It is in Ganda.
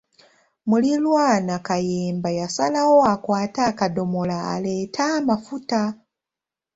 Muliraanwa Kayemba yasalawo akwate akadomola aleete amafuta